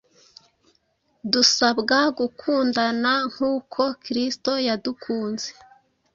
Dusabwa gukundana nk’uko Kristo yadukunze.